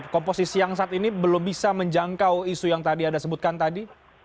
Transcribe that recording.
komposisi yang saat ini belum bisa menjangkau isu yang tadi anda sebutkan tadi